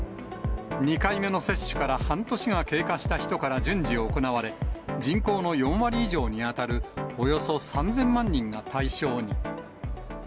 ２回目の接種から半年が経過した人から順次行われ、人口の４割以上に当たるおよそ３０００万人が対象に。